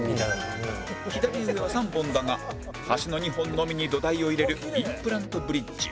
左上は３本だが端の２本のみに土台を入れるインプラントブリッジ